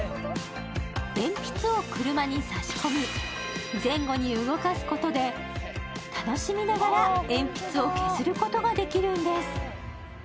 鉛筆を車に差し込み、前後に動かすことで、楽しみながら鉛筆を削ることができるんです。